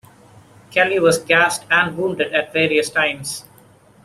Kelly was gassed and wounded at various times.